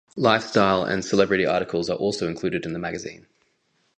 Lifestyle and celebrity articles are also included in the magazine.